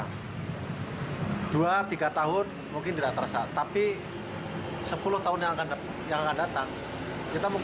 hai dua puluh tiga tahun mungkin tidak terasa tapi sepuluh tahun yang akan yang akan datang kita mungkin tidak